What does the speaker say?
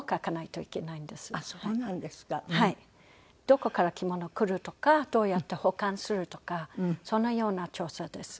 どこから着物来るとかどうやって保管するとかそのような調査です。